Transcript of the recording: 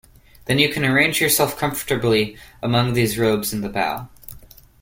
Then you can arrange yourself comfortably among these robes in the bow.